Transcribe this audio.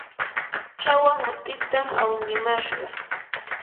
chawa mutitam awnimashqa.